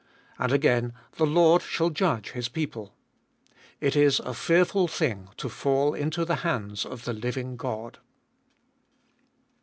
And again, The Lord shall judge his people. 31. It is a fearful thing to fall into the hands of the living God.